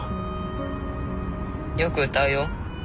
よく歌うよ。